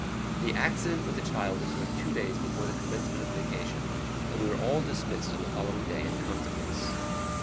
The accident with the child occurred two days before the commencement of the vacation, and we were all dismissed on the following day in consequence.